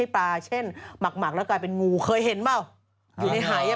ปลาร้าของเรา